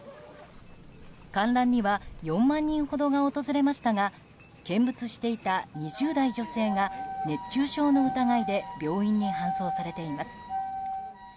観覧には４万人ほどが訪れましたが見物していた２０代女性が熱中症の疑いで病院に搬送されています。